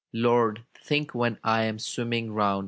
"Lord! think when I am swimming round.